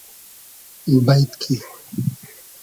بݷد کی